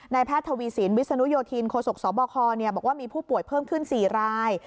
แพทย์ทวีสินวิศนุโยธินโคศกสบคบอกว่ามีผู้ป่วยเพิ่มขึ้น๔ราย